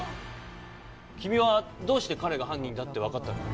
君はどうして彼が犯人だって分かったのかな？